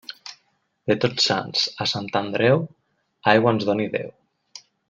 De Tots Sants a Sant Andreu, aigua ens doni Déu.